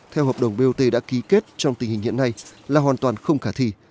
theo hợp đồng bot đã ký kết trong tình hình hiện nay là hoàn toàn không khả thi